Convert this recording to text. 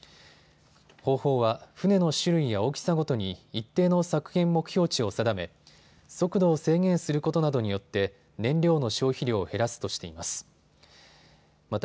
方法は船の種類や大きさごとに一定の削減目標値を定め速度を制限することなどによって燃料の消費量を減らすとしています。